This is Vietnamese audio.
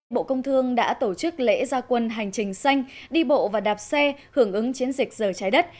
bộ công thương đã tổ chức lễ gia quân hành trình xanh đi bộ và đạp xe hưởng ứng chiến dịch giờ trái đất